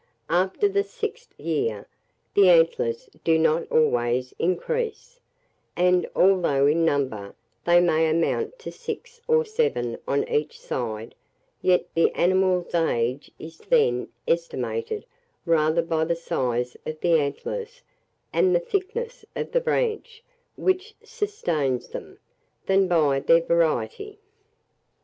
After the sixth year, the antlers do not always increase; and, although in number they may amount to six or seven on each side, yet the animal's age is then estimated rather by the size of the antlers and the thickness of the branch which sustains them, than by their variety.